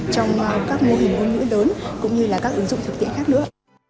trong các mô hình ngôn ngữ lớn cũng như là các ứng dụng thực tiễn khác nữa